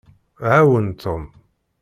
Ɛawen Tom.